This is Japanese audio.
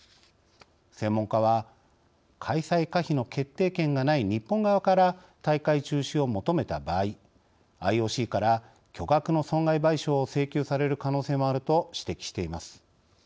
専門家は開催可否の決定権がない日本側から大会中止を求めた場合ＩＯＣから巨額の損害賠償を請求される可能性もあると指摘しています。